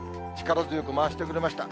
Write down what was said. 力強く回してくれました。